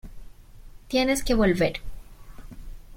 Tienes que volver.